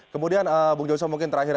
kemudian bung joso mungkin terakhir